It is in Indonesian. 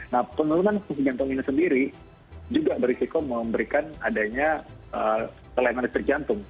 nah penurunan fungsi jantung ini sendiri juga berisiko memberikan adanya kelemahan istrik jantung